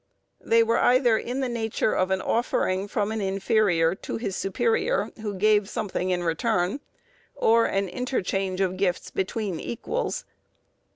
They were either in the nature of an offering from an inferior to his superior, who gave something in return, or an interchange of gifts between equals.